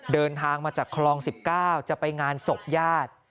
เดินทางมาจากคลอง๑๙จะไปงานศพญาติ